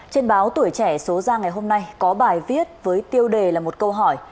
trên báo tuổi trẻ số ra ngày hôm nay có bài viết với tiêu đề là một câu hỏi